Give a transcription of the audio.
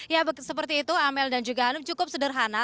ya seperti itu amel dan juga hanum cukup sederhana